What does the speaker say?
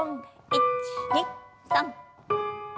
１２３。